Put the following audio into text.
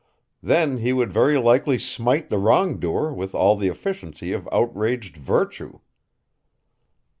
Then he would very likely smite the wrongdoer with all the efficiency of outraged virtue."